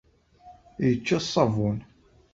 Yečča ṣṣabun.